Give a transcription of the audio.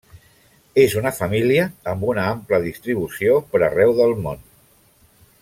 És una família amb una ampla distribució per arreu del món.